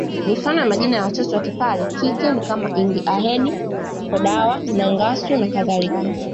Mifano ya majina ya watoto wakipare kike ni kama Ingiahedi Kodawa Nangasu na kadhalika